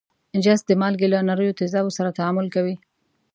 جست د مالګې له نریو تیزابو سره تعامل کوي.